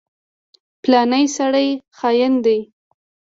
فلانی سړی خاين دی.